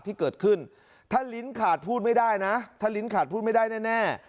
ที่เกิดขึ้นถ้าลิ้นขาดพูดไม่ได้นะถ้าลิ้นขาดพูดไม่ได้แน่